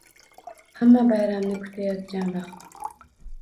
Hamma bayramni kutayotgan vaqt.